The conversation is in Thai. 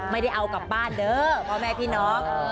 ไม่ได้เอากลับบ้านเด้อพ่อแม่พี่น้อง